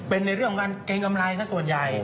เป็นเรื่องการเกงอำไลสักส่วนใหญ่